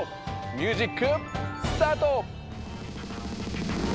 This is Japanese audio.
ミュージックスタート！